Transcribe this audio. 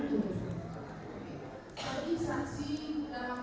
tadi saksi dalam